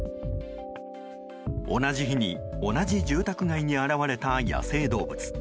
同じ日に同じ住宅街に現れた野生動物。